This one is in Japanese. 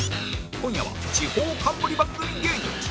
今夜は地方冠番組芸人